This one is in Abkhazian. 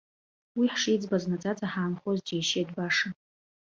Уи ҳшиӡбаз наӡаӡа ҳаанхоз џьишьеит баша.